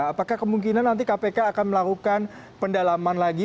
apakah kemungkinan nanti kpk akan melakukan pendalaman lagi